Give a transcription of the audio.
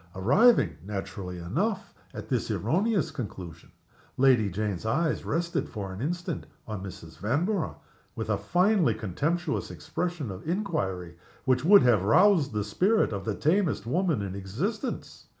Arriving, naturally enough, at this erroneous conclusion, Lady Jane's eyes rested for an instant on Mrs. Vanborough with a finely contemptuous expression of inquiry which would have roused the spirit of the tamest woman in existence.